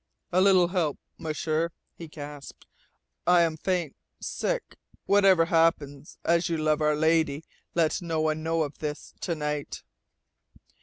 "A little help, M'sieur," he gasped. "I am faint, sick. Whatever happens, as you love Our Lady, let no one know of this to night!"